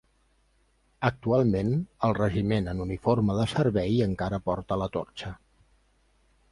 Actualment, el Regiment en uniforme de servei encara porta la torxa.